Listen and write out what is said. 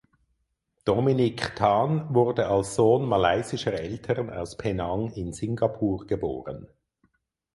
Dominic Tan wurde als Sohn malaysischer Eltern aus Penang in Singapur geboren.